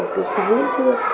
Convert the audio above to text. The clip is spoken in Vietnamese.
từ sáng đến trưa